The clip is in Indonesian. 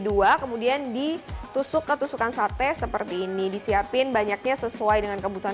dua kemudian ditusuk ketusukan sate seperti ini disiapin banyaknya sesuai dengan kebutuhan